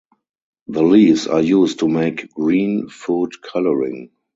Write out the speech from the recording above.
The leaves are used to make green food coloring.